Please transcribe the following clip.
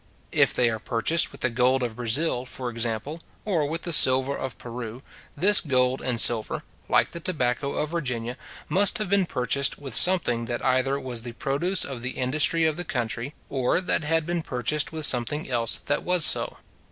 If they are purchased with the gold of Brazil, for example, or with the silver of Peru, this gold and silver, like the tobacco of Virginia, must have been purchased with something that either was the produce of the industry of the country, or that had been purchased with something else that was so.